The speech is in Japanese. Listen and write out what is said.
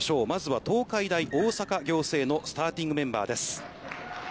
まずは東海大大阪仰星のスターティングメンバーです。